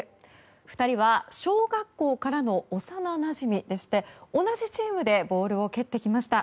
２人は小学校からの幼なじみでして同じチームでボールを蹴ってきました。